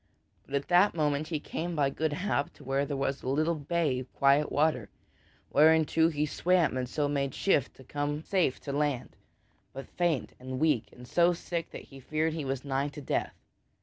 But at that moment he came by good hap to where was a little bay of quiet water, whereinto he swam and so made shift to come safe to land but faint and weak, and so sick that he feared that he was nigh to death.